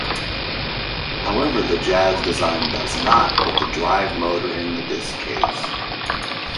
However the Jaz design does not put the drive motor in the disk case.